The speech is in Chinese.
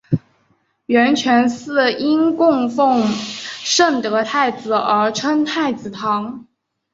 圆泉寺因供奉圣德太子而称太子堂。